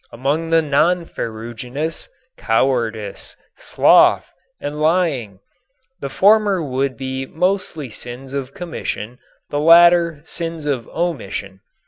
Among the non ferruginous, cowardice, sloth and lying. The former would be mostly sins of commission, the latter, sins of omission.